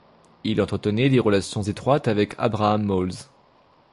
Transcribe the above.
Il entretenait des relations étroites avec Abraham Moles.